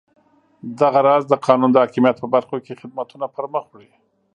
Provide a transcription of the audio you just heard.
دغه راز د قانون د حاکمیت په برخو کې خدمتونه پرمخ وړي.